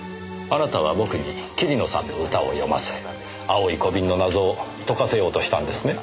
あなたは僕に桐野さんの歌を読ませ青い小瓶の謎を解かせようとしたんですね？